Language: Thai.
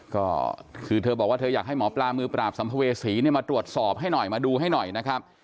ก็คือเธอบอกว่าเธออยากให้หมอปลามือปราบสัมภเวษีมาตรวจสอบให้หน่อยมาดูให้หน่อยนะครับ